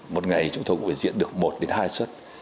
một ngày chúng tôi cũng phải diễn được một đến hai suất